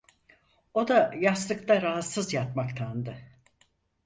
O da yastıkta rahatsız yatmaktandı.